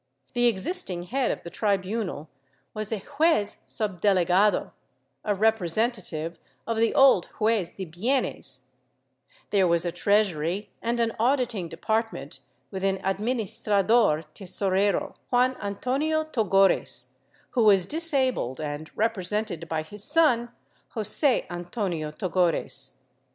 The existing head of the tribunal was a juez suhdelegado , a representative of the old juez de bienes; there was a treasury and an auditing department with an administrador tesorero, Juan Antonio Togores, who was dis abled and represented by his son, Jose Antonio Togores.